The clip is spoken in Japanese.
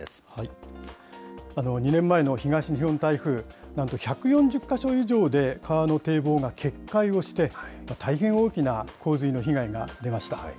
２年前の東日本台風、なんと１４０か所以上で、川の堤防が決壊して、大変大きな洪水の被害が出ました。